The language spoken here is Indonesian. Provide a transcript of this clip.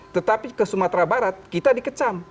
tetapi ke sumatera barat kita dikecam